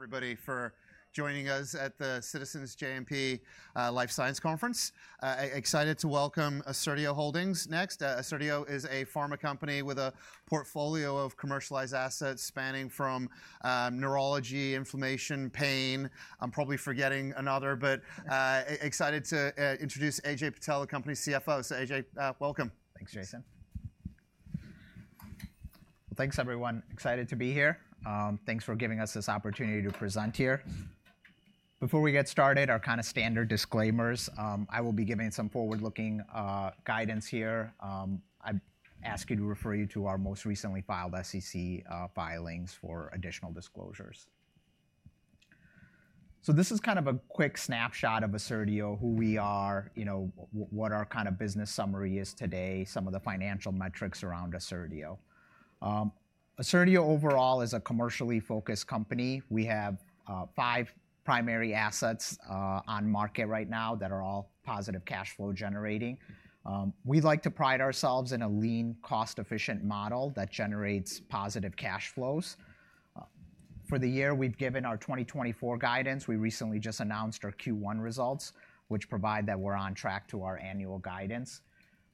Everybody for joining us at the Citizens JMP Life Sciences Conference. Excited to welcome Assertio Holdings next. Assertio is a pharma company with a portfolio of commercialized assets spanning from neurology, inflammation, pain. I'm probably forgetting another, but excited to introduce Ajay Patel, the company's CFO. So Ajay, welcome. Thanks, Jason. Well, thanks, everyone. Excited to be here. Thanks for giving us this opportunity to present here. Before we get started, our kind of standard disclaimers: I will be giving some forward-looking guidance here. I ask you to refer you to our most recently filed SEC filings for additional disclosures. So this is kind of a quick snapshot of Assertio, who we are, what our kind of business summary is today, some of the financial metrics around Assertio. Assertio overall is a commercially focused company. We have five primary assets on market right now that are all positive cash flow generating. We like to pride ourselves in a lean, cost-efficient model that generates positive cash flows. For the year, we've given our 2024 guidance. We recently just announced our Q1 results, which provide that we're on track to our annual guidance.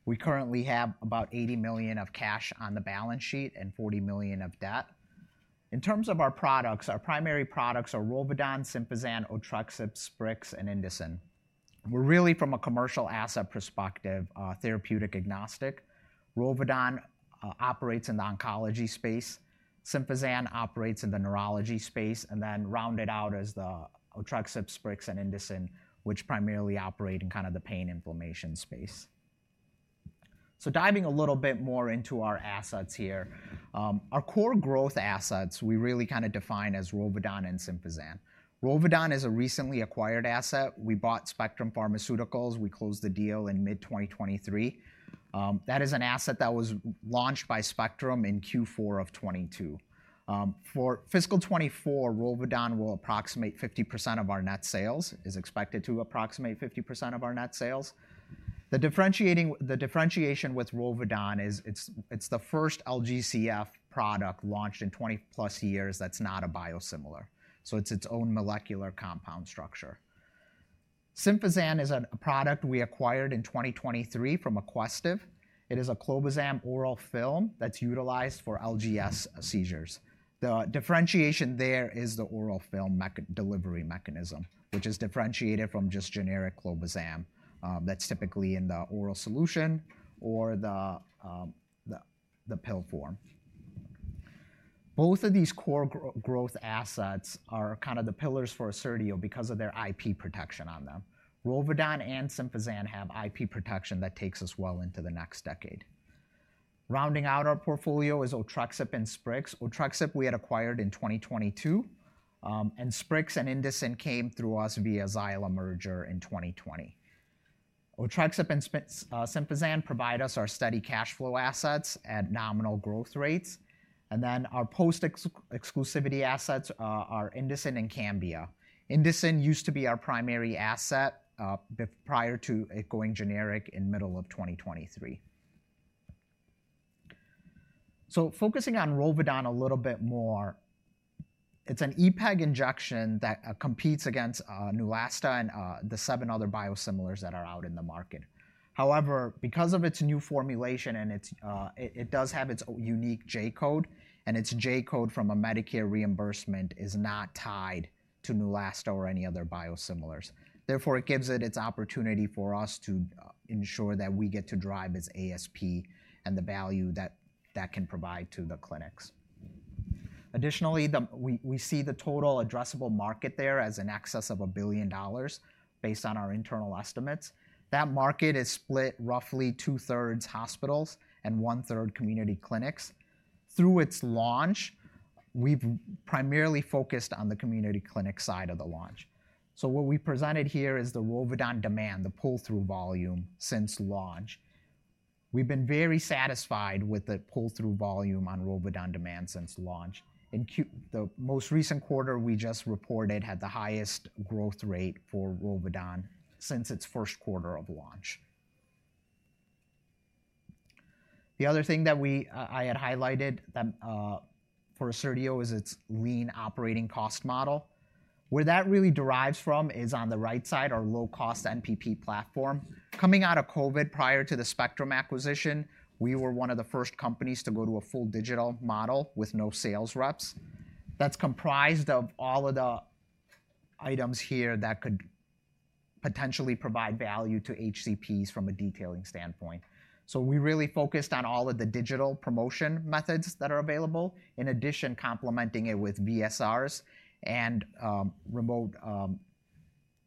We currently have about $80 million of cash on the balance sheet and $40 million of debt. In terms of our products, our primary products are Rolvedon, Sympazan, Otrexup, Sprix, and Indocin. We're really, from a commercial asset perspective, therapeutic agnostic. Rolvedon operates in the oncology space. Sympazan operates in the neurology space. And then rounded out is the Otrexup, Sprix, and Indocin, which primarily operate in kind of the pain inflammation space. So diving a little bit more into our assets here, our core growth assets we really kind of define as Rolvedon and Sympazan. Rolvedon is a recently acquired asset. We bought Spectrum Pharmaceuticals. We closed the deal in mid-2023. That is an asset that was launched by Spectrum in Q4 of 2022. For fiscal 2024, Rolvedon will approximate 50% of our net sales, is expected to approximate 50% of our net sales. The differentiation with Rolvedon is it's the first LA-G-CSF product launched in 20+ years that's not a biosimilar. So it's its own molecular compound structure. Sympazan is a product we acquired in 2023 from Aquestive. It is a clobazam oral film that's utilized for LGS seizures. The differentiation there is the oral film delivery mechanism, which is differentiated from just generic clobazam that's typically in the oral solution or the pill form. Both of these core growth assets are kind of the pillars for Assertio because of their IP protection on them. Rolvedon and Sympazan have IP protection that takes us well into the next decade. Rounding out our portfolio is Otrexup and Sprix. Otrexup we had acquired in 2022. And Sprix and Indocin came through us via Zyla merger in 2020. Otrexup and Sympazan provide us our steady cash flow assets at nominal growth rates. Our post-exclusivity assets are Indocin and Cambia. Indocin used to be our primary asset prior to it going generic in the middle of 2023. Focusing on Rolvedon a little bit more, it's an eflapegrastim injection that competes against Neulasta and the seven other biosimilars that are out in the market. However, because of its new formulation and it does have its unique J-code, and its J-code from a Medicare reimbursement is not tied to Neulasta or any other biosimilars. Therefore, it gives it its opportunity for us to ensure that we get to drive its ASP and the value that can provide to the clinics. Additionally, we see the total addressable market there as an excess of $1 billion based on our internal estimates. That market is split roughly two-thirds hospitals and one-third community clinics. Through its launch, we've primarily focused on the community clinic side of the launch. So what we presented here is the Rolvedon demand, the pull-through volume since launch. We've been very satisfied with the pull-through volume on Rolvedon demand since launch. In the most recent quarter we just reported had the highest growth rate for Rolvedon since its first quarter of launch. The other thing that I had highlighted for Assertio is its lean operating cost model. Where that really derives from is on the right side, our low-cost NPP platform. Coming out of COVID prior to the Spectrum acquisition, we were one of the first companies to go to a full digital model with no sales reps. That's comprised of all of the items here that could potentially provide value to HCPs from a detailing standpoint. So we really focused on all of the digital promotion methods that are available, in addition, complementing it with VSRs and remote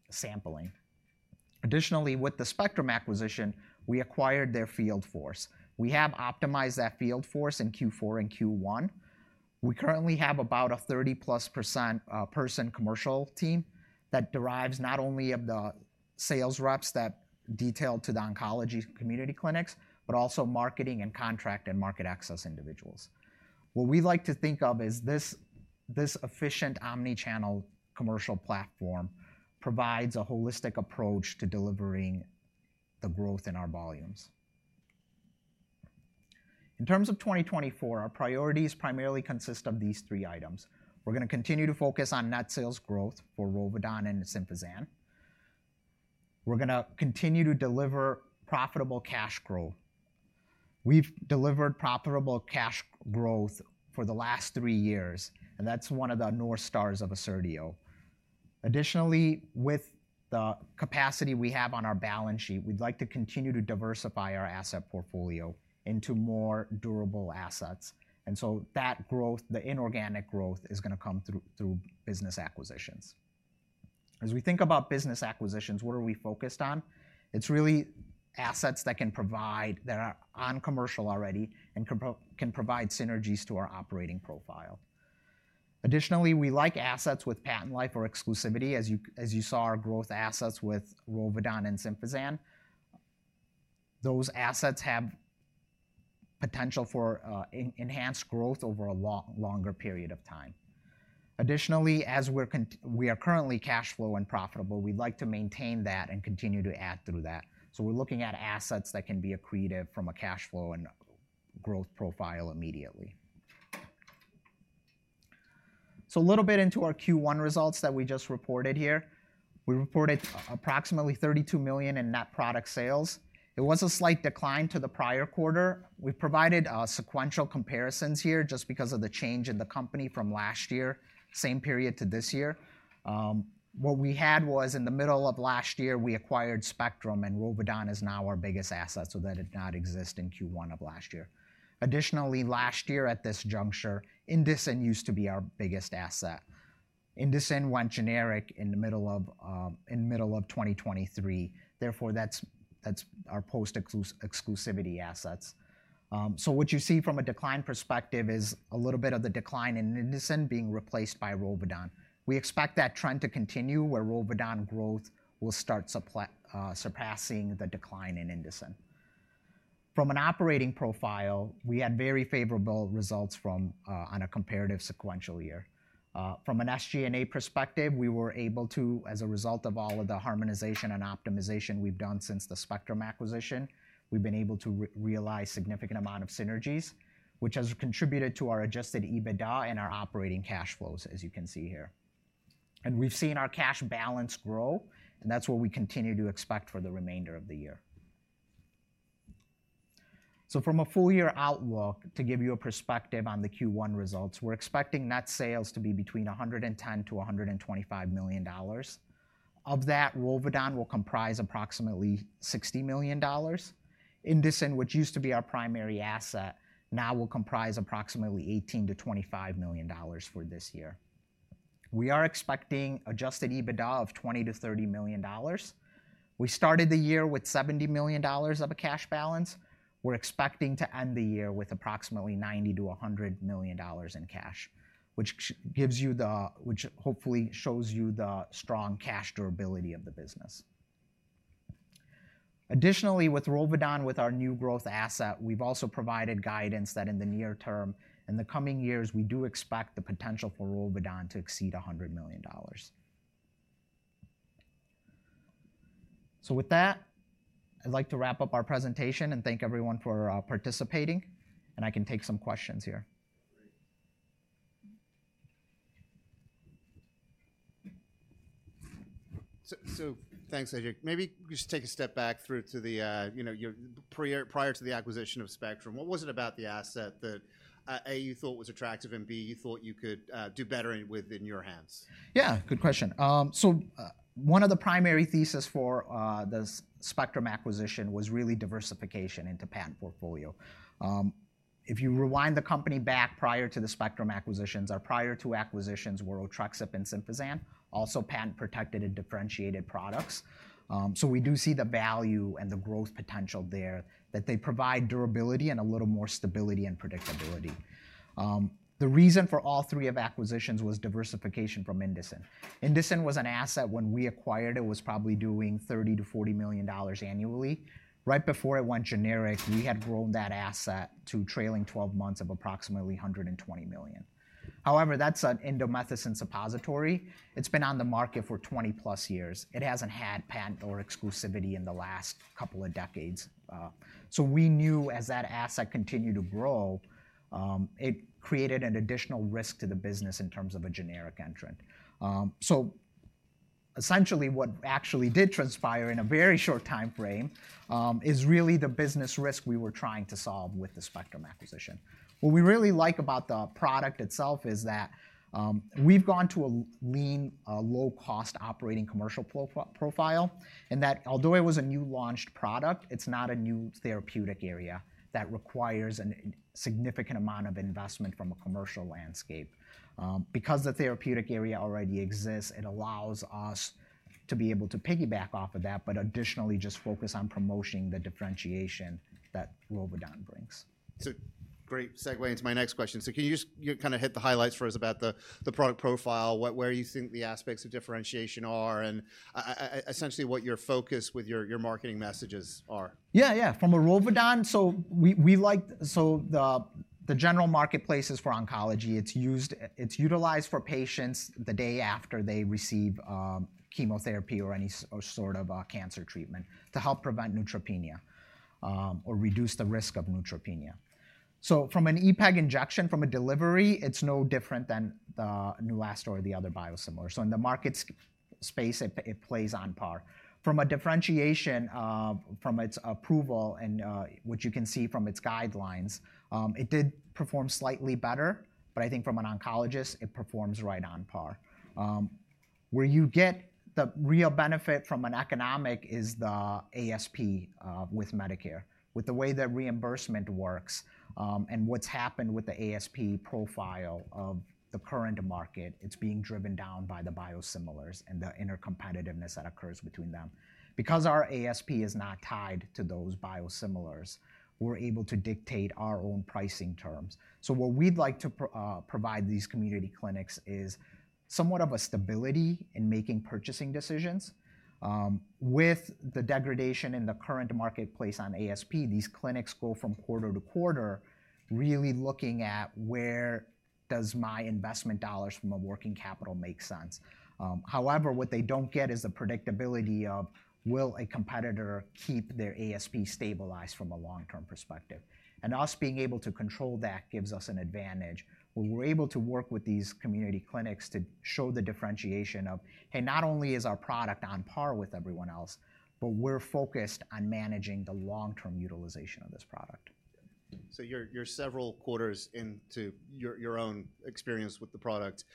sampling. Additionally, with the Spectrum acquisition, we acquired their field force. We have optimized that field force in Q4 and Q1. We currently have about a 30-plus-person commercial team that consists not only of the sales reps that detail to the oncology community clinics, but also marketing and contract and market access individuals. What we like to think of is this efficient omnichannel commercial platform provides a holistic approach to delivering the growth in our volumes. In terms of 2024, our priorities primarily consist of these three items. We're going to continue to focus on net sales growth for Rolvedon and Sympazan. We're going to continue to deliver profitable cash growth. We've delivered profitable cash growth for the last three years. That's one of the North Stars of Assertio. Additionally, with the capacity we have on our balance sheet, we'd like to continue to diversify our asset portfolio into more durable assets. So that growth, the inorganic growth, is going to come through business acquisitions. As we think about business acquisitions, what are we focused on? It's really assets that can provide that are on commercial already and can provide synergies to our operating profile. Additionally, we like assets with patent life or exclusivity. As you saw our growth assets with Rolvedon and Sympazan, those assets have potential for enhanced growth over a longer period of time. Additionally, as we are currently cash flow and profitable, we'd like to maintain that and continue to add through that. So we're looking at assets that can be accretive from a cash flow and growth profile immediately. So a little bit into our Q1 results that we just reported here, we reported approximately $32 million in net product sales. It was a slight decline to the prior quarter. We've provided sequential comparisons here just because of the change in the company from last year, same period to this year. What we had was in the middle of last year, we acquired Spectrum. And Rolvedon is now our biggest asset, so that did not exist in Q1 of last year. Additionally, last year at this juncture, Indocin used to be our biggest asset. Indocin went generic in the middle of 2023. Therefore, that's our post-exclusivity assets. So what you see from a decline perspective is a little bit of the decline in Indocin being replaced by Rolvedon. We expect that trend to continue, where Rolvedon growth will start surpassing the decline in Indocin. From an operating profile, we had very favorable results on a comparative sequential year. From an SG&A perspective, we were able to, as a result of all of the harmonization and optimization we've done since the Spectrum acquisition, we've been able to realize a significant amount of synergies, which has contributed to our Adjusted EBITDA and our operating cash flows, as you can see here. We've seen our cash balance grow. That's what we continue to expect for the remainder of the year. From a full-year outlook, to give you a perspective on the Q1 results, we're expecting net sales to be between $110 million-$125 million. Of that, Rolvedon will comprise approximately $60 million. Indocin, which used to be our primary asset, now will comprise approximately $18 million-$25 million for this year. We are expecting Adjusted EBITDA of $20 million-$30 million. We started the year with $70 million of a cash balance. We're expecting to end the year with approximately $90 million-$100 million in cash, which hopefully shows you the strong cash durability of the business. Additionally, with Rolvedon, with our new growth asset, we've also provided guidance that in the near term and the coming years, we do expect the potential for Rolvedon to exceed $100 million. So with that, I'd like to wrap up our presentation and thank everyone for participating. And I can take some questions here. So thanks, Ajay. Maybe just take a step back through to the prior to the acquisition of Spectrum. What was it about the asset that, A, you thought was attractive, and, B, you thought you could do better with in your hands? Yeah, good question. So one of the primary theses for the Spectrum acquisition was really diversification into patent portfolio. If you rewind the company back prior to the Spectrum acquisitions, our prior two acquisitions were Otrexup and Sympazan, also patent protected and differentiated products. So we do see the value and the growth potential there, that they provide durability and a little more stability and predictability. The reason for all three of acquisitions was diversification from Indocin. Indocin was an asset, when we acquired it, was probably doing $30 million-$40 million annually. Right before it went generic, we had grown that asset to trailing 12 months of approximately $120 million. However, that's an indomethacin suppository. It's been on the market for 20+ years. It hasn't had patent or exclusivity in the last couple of decades. So we knew, as that asset continued to grow, it created an additional risk to the business in terms of a generic entrant. So essentially, what actually did transpire in a very short time frame is really the business risk we were trying to solve with the Spectrum acquisition. What we really like about the product itself is that we've gone to a lean, low-cost operating commercial profile, and that although it was a new-launched product, it's not a new therapeutic area that requires a significant amount of investment from a commercial landscape. Because the therapeutic area already exists, it allows us to be able to piggyback off of that, but additionally just focus on promoting the differentiation that Rolvedon brings. Great segue into my next question. Can you just kind of hit the highlights for us about the product profile, where you think the aspects of differentiation are, and essentially what your focus with your marketing messages are? Yeah, yeah. From a Rolvedon, so the general marketplace is for oncology. It's utilized for patients the day after they receive chemotherapy or any sort of cancer treatment to help prevent neutropenia or reduce the risk of neutropenia. So from an eflapegrastim injection, from a delivery, it's no different than the Neulasta or the other biosimilars. So in the market space, it plays on par. From a differentiation, from its approval and what you can see from its guidelines, it did perform slightly better. But I think from an oncologist, it performs right on par. Where you get the real benefit from an economic is the ASP with Medicare, with the way that reimbursement works and what's happened with the ASP profile of the current market. It's being driven down by the biosimilars and the intercompetitiveness that occurs between them. Because our ASP is not tied to those biosimilars, we're able to dictate our own pricing terms. So what we'd like to provide these community clinics is somewhat of a stability in making purchasing decisions. With the degradation in the current marketplace on ASP, these clinics go from quarter to quarter really looking at, where does my investment dollars from a working capital make sense? However, what they don't get is the predictability of, will a competitor keep their ASP stabilized from a long-term perspective? And us being able to control that gives us an advantage, where we're able to work with these community clinics to show the differentiation of, hey, not only is our product on par with everyone else, but we're focused on managing the long-term utilization of this product. So you're several quarters into your own experience with the product.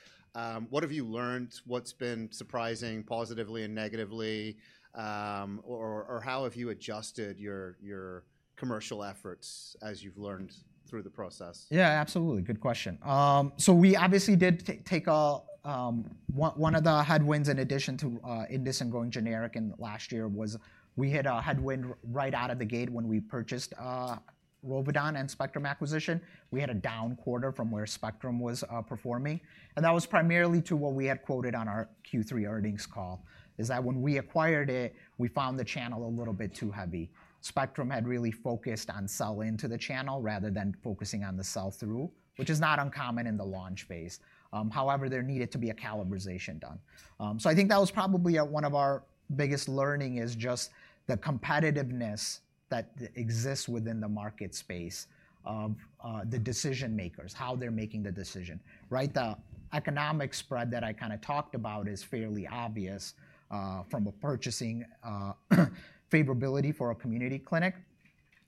What have you learned? What's been surprising positively and negatively? Or how have you adjusted your commercial efforts as you've learned through the process? Yeah, absolutely. Good question. So we obviously did take one of the headwinds, in addition to Indocin going generic in last year, was we hit a headwind right out of the gate when we purchased Rolvedon and Spectrum acquisition. We had a down quarter from where Spectrum was performing. And that was primarily to what we had quoted on our Q3 earnings call, is that when we acquired it, we found the channel a little bit too heavy. Spectrum had really focused on selling into the channel rather than focusing on the sell-through, which is not uncommon in the launch phase. However, there needed to be a calibration done. So I think that was probably one of our biggest learnings, is just the competitiveness that exists within the market space of the decision makers, how they're making the decision. The economic spread that I kind of talked about is fairly obvious from a purchasing favorability for a community clinic.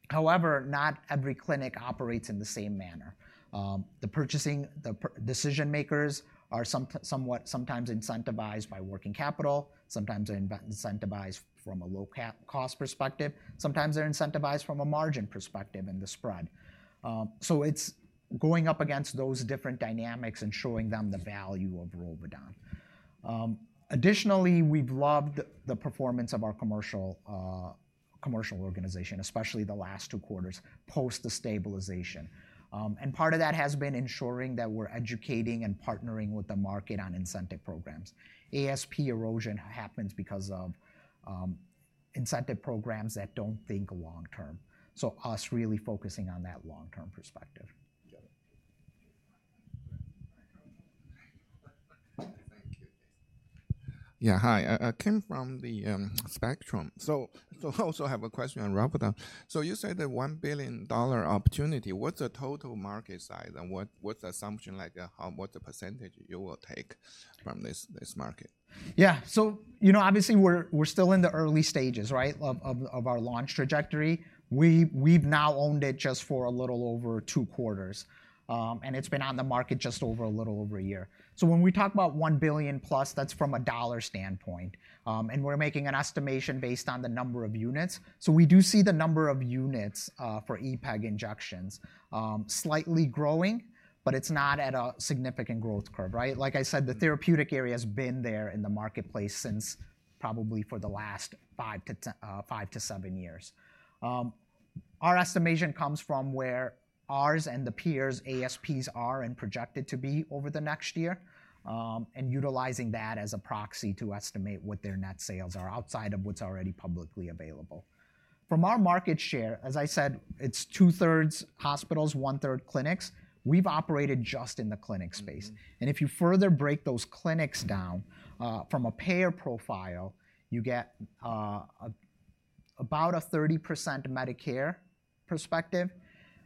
However, not every clinic operates in the same manner. The decision makers are sometimes incentivized by working capital, sometimes they're incentivized from a low-cost perspective, sometimes they're incentivized from a margin perspective in the spread. So it's going up against those different dynamics and showing them the value of Rolvedon. Additionally, we've loved the performance of our commercial organization, especially the last two quarters post the stabilization. Part of that has been ensuring that we're educating and partnering with the market on incentive programs. ASP erosion happens because of incentive programs that don't think long term. So us really focusing on that long-term perspective. Got it. Yeah, hi. I came from the Spectrum. So I also have a question on Rolvedon. So you said the $1 billion opportunity. What's the total market size? And what's the assumption? What's the percentage you will take from this market? Yeah. So obviously, we're still in the early stages of our launch trajectory. We've now owned it just for a little over 2 quarters. It's been on the market just over a little over a year. So when we talk about $1 billion+, that's from a dollar standpoint. We're making an estimation based on the number of units. So we do see the number of units for EPAG injections slightly growing, but it's not at a significant growth curve. Like I said, the therapeutic area has been there in the marketplace since probably for the last 5-7 years. Our estimation comes from where ours and the peers' ASPs are and projected to be over the next year and utilizing that as a proxy to estimate what their net sales are outside of what's already publicly available. From our market share, as I said, it's 2/3 hospitals, 1/3 clinics. We've operated just in the clinic space. And if you further break those clinics down from a payer profile, you get about a 30% Medicare perspective.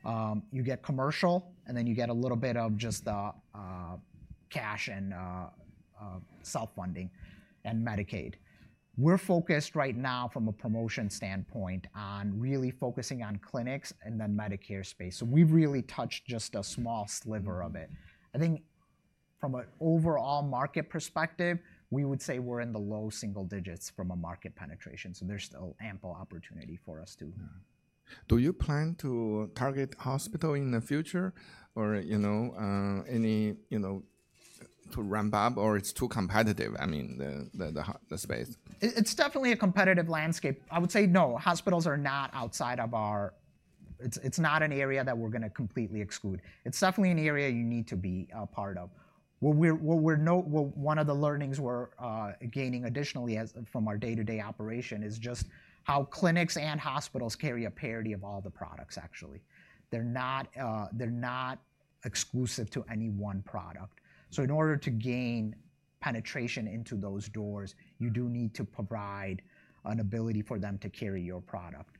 You get commercial. And then you get a little bit of just cash and self-funding and Medicaid. We're focused right now from a promotion standpoint on really focusing on clinics and the Medicare space. So we've really touched just a small sliver of it. I think from an overall market perspective, we would say we're in the low single digits from a market penetration. So there's still ample opportunity for us to. Do you plan to target hospital in the future or any to ramp up? Or it's too competitive, I mean, the space? It's definitely a competitive landscape. I would say, no. Hospitals are not outside of; it's not an area that we're going to completely exclude. It's definitely an area you need to be a part of. One of the learnings we're gaining additionally from our day-to-day operation is just how clinics and hospitals carry a parity of all the products, actually. They're not exclusive to any one product. So in order to gain penetration into those doors, you do need to provide an ability for them to carry your product.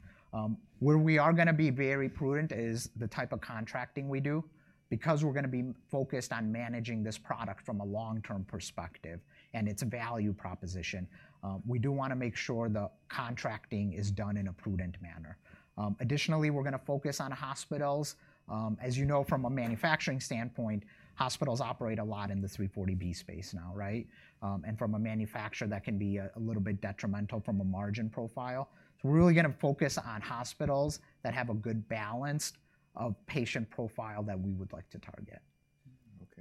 Where we are going to be very prudent is the type of contracting we do. Because we're going to be focused on managing this product from a long-term perspective and its value proposition, we do want to make sure the contracting is done in a prudent manner. Additionally, we're going to focus on hospitals. As you know, from a manufacturing standpoint, hospitals operate a lot in the 340B space now. From a manufacturer, that can be a little bit detrimental from a margin profile. We're really going to focus on hospitals that have a good balance of patient profile that we would like to target.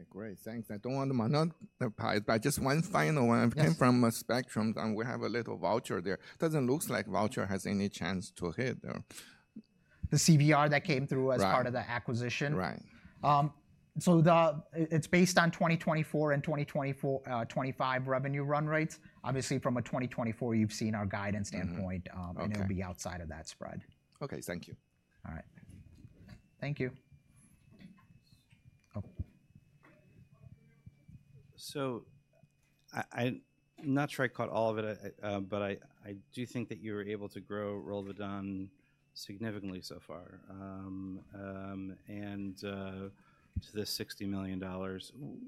OK, great. Thanks. I don't want to pry. Just one final one. I came from Spectrum. We have a little CVR there. Doesn't look like CVR has any chance to hit there. The CVR that came through as part of the acquisition? Right. It's based on 2024 and 2025 revenue run rates. Obviously, from a 2024 standpoint, you've seen our guidance. It'll be outside of that spread. OK, thank you. All right. Thank you. I'm not sure I caught all of it. But I do think that you were able to grow Rolvedon significantly so far and to the $60 million.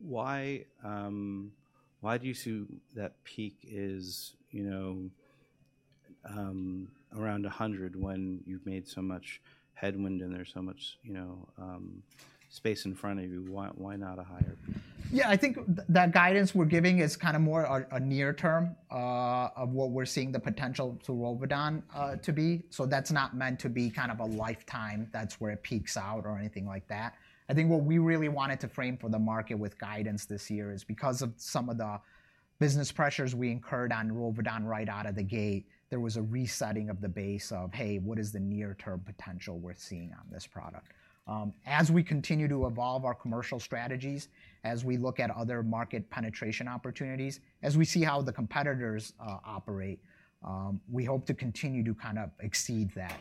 Why do you see that peak is around $100 million when you've made so much headway and there's so much space in front of you? Why not a higher peak? Yeah, I think that guidance we're giving is kind of more a near-term of what we're seeing the potential to Rolvedon to be. So that's not meant to be kind of a lifetime. That's where it peaks out or anything like that. I think what we really wanted to frame for the market with guidance this year is because of some of the business pressures we incurred on Rolvedon right out of the gate, there was a resetting of the base of, hey, what is the near-term potential we're seeing on this product? As we continue to evolve our commercial strategies, as we look at other market penetration opportunities, as we see how the competitors operate, we hope to continue to kind of exceed that.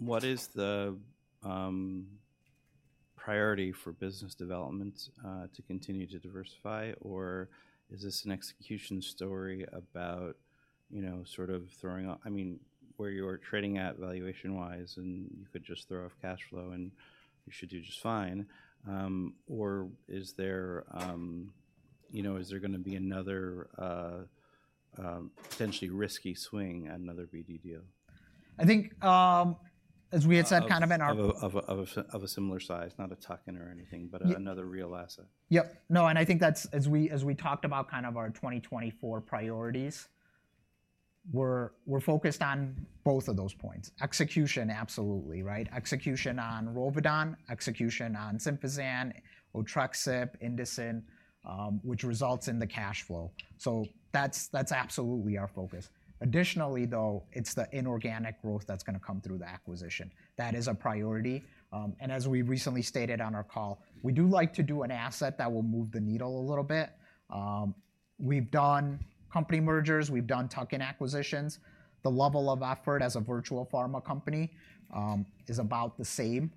What is the priority for business development to continue to diversify? Or is this an execution story about sort of throwing up, I mean, where you're trading at valuation-wise, and you could just throw off cash flow, and you should do just fine? Or is there going to be another potentially risky swing at another BD deal? I think, as we had said kind of in our. Of a similar size, not a tuck-in or anything, but another real asset. Yep. No. And I think that's, as we talked about kind of our 2024 priorities, we're focused on both of those points. Execution, absolutely. Execution on Rolvedon, execution on Sympazan, Otrexup, Indocin, which results in the cash flow. So that's absolutely our focus. Additionally, though, it's the inorganic growth that's going to come through the acquisition. That is a priority. And as we recently stated on our call, we do like to do an asset that will move the needle a little bit. We've done company mergers. We've done tuck-in acquisitions. The level of effort as a virtual pharma company is about the same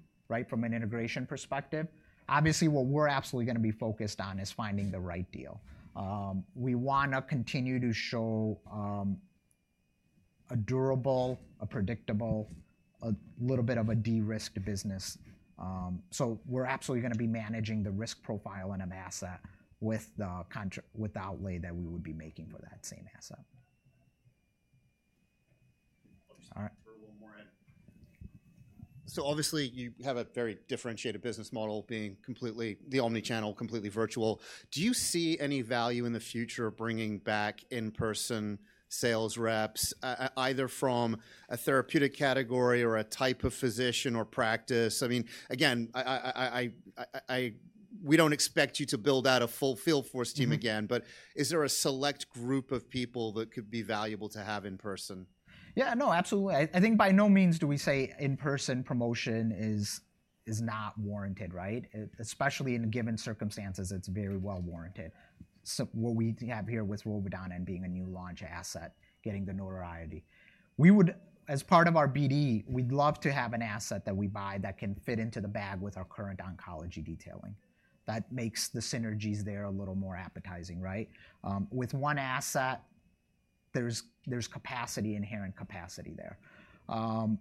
from an integration perspective. Obviously, what we're absolutely going to be focused on is finding the right deal. We want to continue to show a durable, a predictable, a little bit of a de-risked business. We're absolutely going to be managing the risk profile in an asset with the outlay that we would be making for that same asset. All right. So obviously, you have a very differentiated business model being completely the omnichannel, completely virtual. Do you see any value in the future bringing back in-person sales reps either from a therapeutic category or a type of physician or practice? I mean, again, we don't expect you to build out a full field force team again. But is there a select group of people that could be valuable to have in person? Yeah, no, absolutely. I think by no means do we say in-person promotion is not warranted. Especially in given circumstances, it's very well warranted. What we have here with Rolvedon and being a new launch asset, getting the notoriety, we would, as part of our BD, we'd love to have an asset that we buy that can fit into the bag with our current oncology detailing. That makes the synergies there a little more appetizing. With one asset, there's capacity, inherent capacity there. I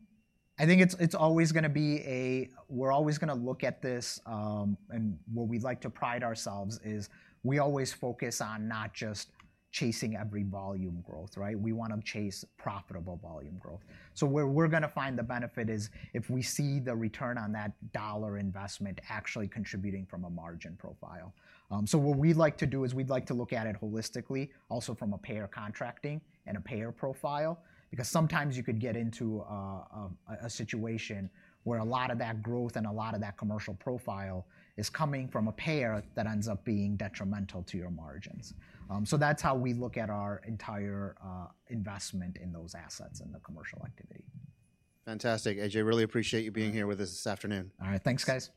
think it's always going to be a we're always going to look at this. And what we'd like to pride ourselves is we always focus on not just chasing every volume growth. We want to chase profitable volume growth. So where we're going to find the benefit is if we see the return on that dollar investment actually contributing from a margin profile. So what we'd like to do is we'd like to look at it holistically, also from a payer contracting and a payer profile. Because sometimes you could get into a situation where a lot of that growth and a lot of that commercial profile is coming from a payer that ends up being detrimental to your margins. So that's how we look at our entire investment in those assets and the commercial activity. Fantastic. Ajay, really appreciate you being here with us this afternoon. All right. Thanks, guys.